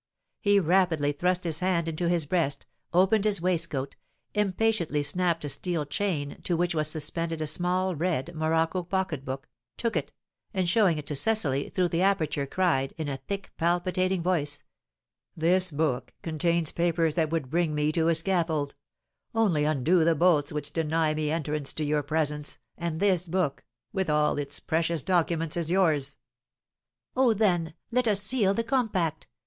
He rapidly thrust his hand into his breast, opened his waistcoat, impatiently snapped a steel chain, to which was suspended a small red morocco pocketbook, took it, and showing it to Cecily, through the aperture, cried, in a thick, palpitating voice: "This book contains papers that would bring me to a scaffold; only undo the bolts which deny me entrance to your presence, and this book, with all its precious documents, is yours." "Oh, then, let us seal the compact!"